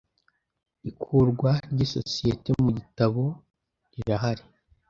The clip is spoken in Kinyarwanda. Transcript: Ikurwa ry ‘isosiyete mu gitabo rirahari.